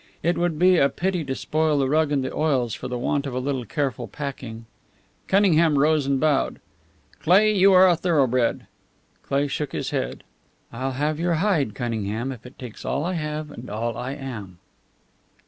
"It would be a pity to spoil the rug and the oils for the want of a little careful packing." Cunningham rose and bowed. "Cleigh, you are a thoroughbred!" Cleigh shook his head. "I'll have your hide, Cunningham, if it takes all I have and all I am!"